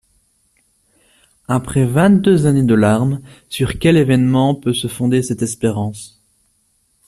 Après vingt-deux années de larmes, sur quel événement peut se fonder cette espérance ?